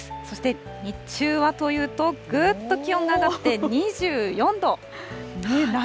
そして日中はというと、ぐっと気温が上がって、２４度。